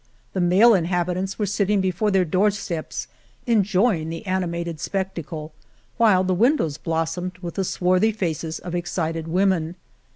The male inhabi tants were sitting before their doorsteps en joying the animated spectacle, while the windows blossomed with the swarthy faces of excited women.